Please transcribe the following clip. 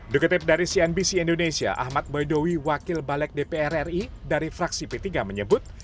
dikutip dari cnbc indonesia ahmad boydowi wakil balek dpr ri dari fraksi p tiga menyebut